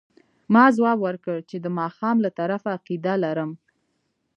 ما ځواب ورکړ چې د ماښام له طرفه عقیده لرم.